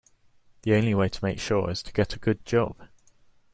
The only way to make sure is to get a good job